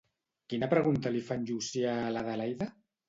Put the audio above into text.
Quina pregunta li fa en Llucià a l'Adelaida?